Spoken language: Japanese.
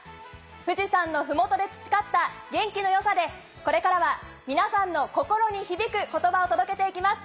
富士山の麓で培った元気の良さでこれからは皆さんの心に響く言葉を届けて行きます。